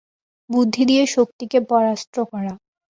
বুদ্ধি দিয়ে শক্তিকে পরাস্ত করা।